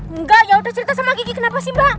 enggak yaudah cerita sama gigi kenapa sih mbak